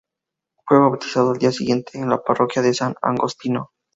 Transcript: Fue bautizado al día siguiente en la parroquia de "San Agostino".